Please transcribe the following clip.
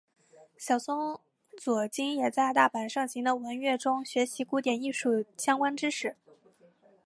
小松左京也在大阪盛行的文乐中学习古典艺术相关知识。